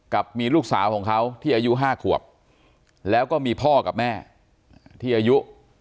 กับมีลูกสาวของเขาที่อายุ๕ขวบแล้วก็มีพ่อกับแม่ที่อายุ